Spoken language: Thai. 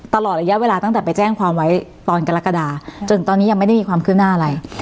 ตลอดระยะเวลาตั้งแต่ไปแจ้งความไว้ตอนกรกฎาจนถึงตอนนี้ยังไม่ได้มีความขึ้นหน้าอะไร